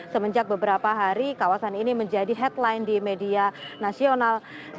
semenjak beberapa hari kawasan ini menjadi headline di media nasional